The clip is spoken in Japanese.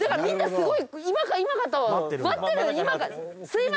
すごい。